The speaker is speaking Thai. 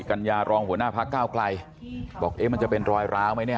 กัญญารองหัวหน้าพักก้าวไกลบอกเอ๊ะมันจะเป็นรอยร้าวไหมเนี่ย